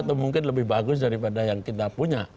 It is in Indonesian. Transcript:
atau mungkin lebih bagus daripada yang kita punya